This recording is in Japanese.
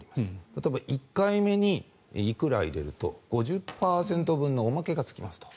例えば１回目にいくら入れると５０％分のおまけがつきますと。